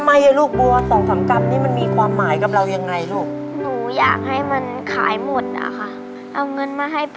เอาเงินมาให้ปูขนาดนี้